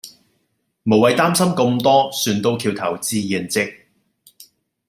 無謂擔心咁多船到橋頭自然直